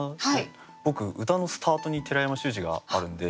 僕歌のスタートに寺山修司があるんで。